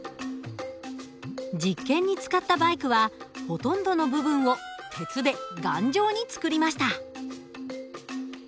実験に使ったバイクはほとんどの部分を鉄で頑丈に作りました。